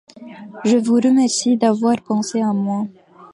Je vous remercie d’avoir pensé à moi.